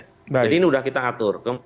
jadi ini sudah kita atur